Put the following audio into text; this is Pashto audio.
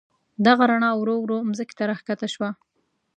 دغه رڼا ورو ورو مځکې ته راکښته شول.